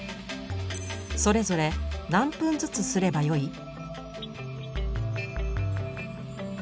それぞれ何分ずつすればよい？